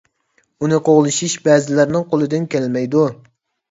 ئۇنى قوغلىشىش بەزىلەرنىڭ قولىدىن كەلمەيدۇ.